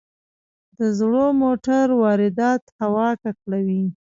د زړو موټرو واردات هوا ککړوي.